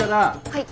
はい。